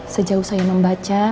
sejauh saya membaca